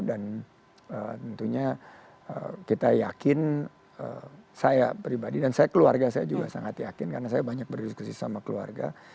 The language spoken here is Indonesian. dan tentunya kita yakin saya pribadi dan keluarga saya juga sangat yakin karena saya banyak berdiskusi sama keluarga